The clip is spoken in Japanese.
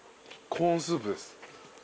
コーンスープです。